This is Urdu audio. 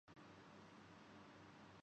تاہم میں اس امر کو اپنے لیے اعزا ز سمجھتا ہوں